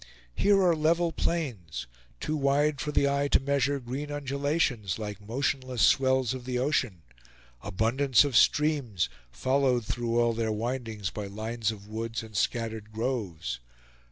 Here are level plains, too wide for the eye to measure green undulations, like motionless swells of the ocean; abundance of streams, followed through all their windings by lines of woods and scattered groves.